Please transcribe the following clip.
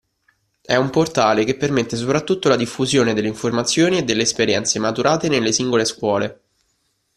È un portale che permette soprattutto la diffusione delle informazioni e delle esperienze maturate nelle singole scuole.